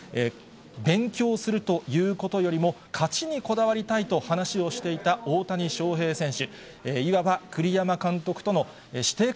勉強するということよりも、勝ちにこだわりたいと話をしていた大谷翔平選手。